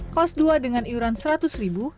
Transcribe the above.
kelas dua dengan iuran rp seratus